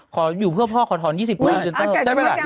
ขออยู่เพื่อพ่อขอถอน๒๐กว่า